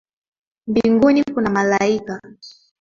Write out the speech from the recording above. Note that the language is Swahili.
Mbinguni kuna malaika